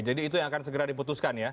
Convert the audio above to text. jadi itu yang akan segera diputuskan ya